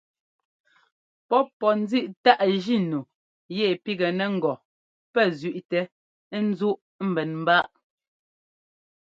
Pɔ́p pɔ́ ńzíꞌ táꞌ jínu yɛ pigɛnɛ ŋgɔ pɛ́ zẅíꞌtɛ ńzúꞌ ḿbɛn ḿbáꞌ.